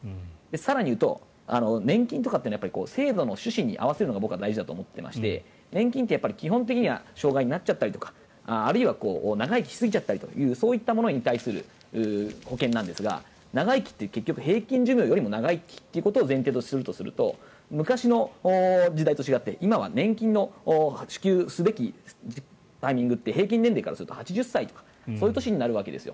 更に言うと、年金とかは制度の趣旨に合わせるのが僕は大事だと思ってまして年金って基本的には障害になったりあるいは長生きしすぎちゃったりとかそういったものに対する保険なんですが長生きって結局、平均寿命よりも長生きと前提とすると昔の時代と違って今は年金の支給すべきタイミングって平均年齢からすると８０歳とかになるわけです。